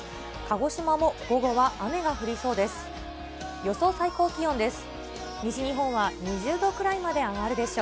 鹿児島も午後は雨が降りそうです。